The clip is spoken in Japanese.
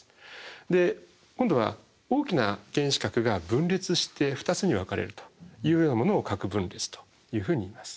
今度は大きな原子核が分裂して２つに分かれるというようなものを核分裂というふうにいいます。